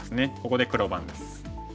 ここで黒番です。